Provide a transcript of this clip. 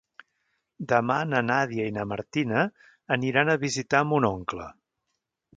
Diumenge na Nàdia i na Martina aniran a visitar mon oncle.